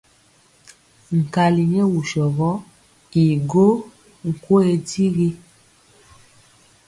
Nkali nyɛ wusɔ gɔ i go nkoye digi.